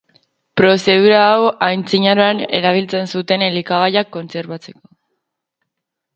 Prozedura hau antzinaroan erabiltzen zuten elikagaiak kontserbatzeko.